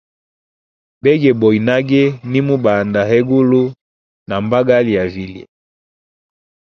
Begeboya nage, nimubanda hegulu, ha mbangali ya vilye.